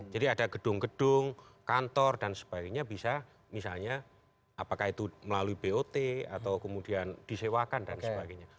jadi ada gedung gedung kantor dan sebagainya bisa misalnya apakah itu melalui bot atau kemudian disewakan dan sebagainya